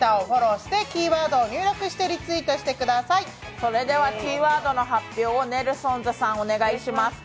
それではキーワードの発表をネルソンズさん、お願いします。